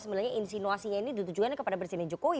sebenarnya insinuasinya ini ditujukannya kepada presiden jokowi